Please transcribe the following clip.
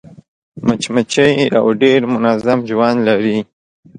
مچمچۍ یو ډېر منظم ژوند لري